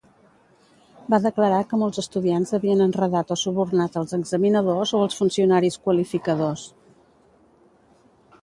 Va declarar que molts estudiants havien enredat o subornat als examinadors o als funcionaris qualificadors.